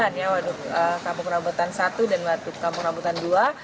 rambutan satu dan waduk kampung rambutan dua